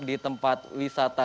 di tempat wisata